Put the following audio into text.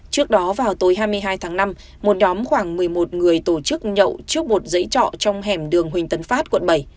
trước đó vào tối hai mươi hai tháng năm một nhóm khoảng một mươi một người tổ chức nhậu trước một dãy trọ trong hẻm đường huỳnh tấn phát quận bảy